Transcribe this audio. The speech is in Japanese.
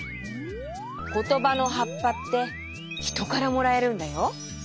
ことばのはっぱってひとからもらえるんだよ。